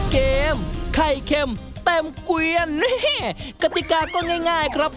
เกมไข่เค็มเต็มเกวียนกติกาก็ง่ายครับ